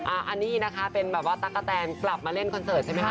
อันนี้นะคะเป็นแบบว่าตั๊กกะแตนกลับมาเล่นคอนเสิร์ตใช่ไหมคะ